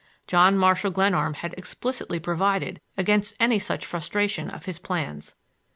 John Marshall Glenarm had explicitly provided against any such frustration of his plans.